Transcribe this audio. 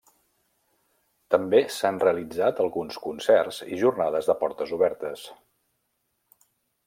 També s'han realitzat alguns concerts i jornades de portes obertes.